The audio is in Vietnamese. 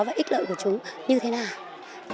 và ít lợi của chúng như thế nào